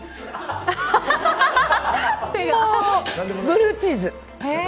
ブルーチーズ。